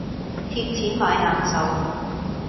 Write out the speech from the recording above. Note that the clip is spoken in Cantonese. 貼錢買難受